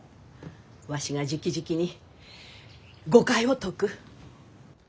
わしがじきじきに誤解を解く。